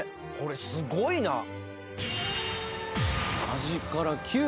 これすごいな。